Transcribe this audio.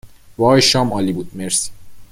وای شام عالی بود مرسی